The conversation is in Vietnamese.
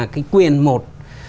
cái quyền một